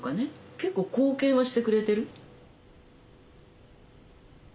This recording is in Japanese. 結構貢献はしてくれてる。